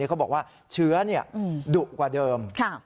เขาบอกว่าเชื้อดุกว่าเดิม